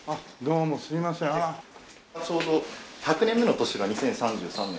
ちょうど１００年目の年が２０３３年なんですけど。